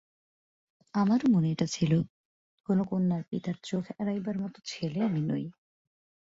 আমারও মনে এটা ছিল, কোনো কন্যার পিতার চোখ এড়াইবার মতো ছেলে আমি নই।